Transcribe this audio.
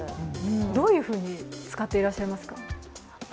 どういうふうに使っていらっしゃいますか？